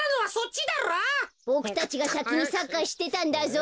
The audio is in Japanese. ボクたちがさきにサッカーしてたんだぞ。